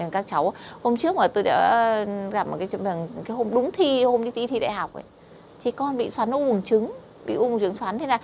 các cháu hôm trước mà tôi đã gặp một cái hôm đúng thi hôm đi thi đại học ấy thì con bị xoắn u một trứng